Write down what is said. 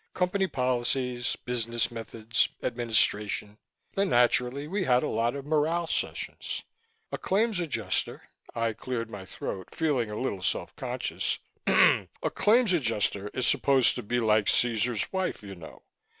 Company policies, business methods, administration. Then, naturally, we had a lot of morale sessions. A Claims Adjuster " I cleared my throat, feeling a little self conscious "a Claims Adjuster is supposed to be like Caesar's wife, you know.